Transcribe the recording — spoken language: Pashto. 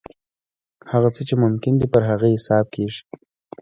هغه څه چې ممکن دي پر هغه حساب کېږي.